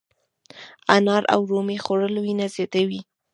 انار او رومي خوړل وینه زیاتوي.